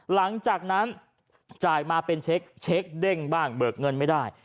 หลังจากนั้นจ่ายมาเป็นเช็คเด้งบ้างเบิกเงินไม่ได้